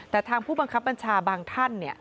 แต่ทางผู้บังคับบัญชาบางท่าน